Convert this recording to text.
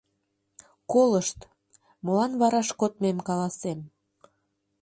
Колышт: молан вараш кодмем каласем.